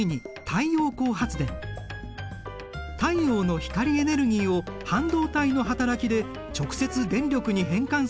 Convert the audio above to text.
太陽の光エネルギーを半導体の働きで直接電力に変換する発電方法だ。